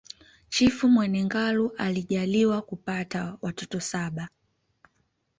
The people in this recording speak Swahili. Chifu Mwene Ngalu alijaliwakupata watoto saba